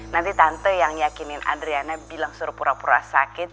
nanti tante yang yakinin adriana bilang suruh pura pura sakit